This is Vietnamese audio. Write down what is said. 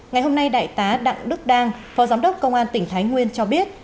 ngày hôm nay đại tá đặng đức đang phó giám đốc công an tỉnh thái nguyên cho biết